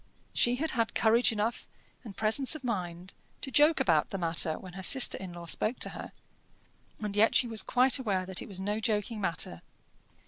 She had had courage enough, and presence of mind, to joke about the matter when her sister in law spoke to her, and yet she was quite aware that it was no joking matter.